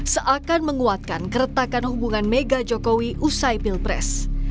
seakan menguatkan keretakan hubungan mega jokowi usai pilpres